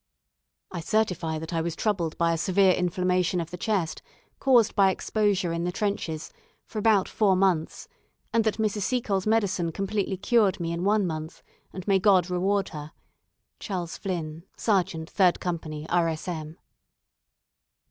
"I certify that I was troubled by a severe inflammation of the chest, caused by exposure in the trenches, for about four months, and that Mrs. Seacole's medicine completely cured me in one month, and may God reward her. "Charles Flinn, Sergt. 3rd Co. R.S.M."